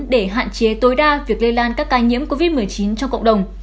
để hạn chế tối đa việc lây lan các ca nhiễm covid một mươi chín trong cộng đồng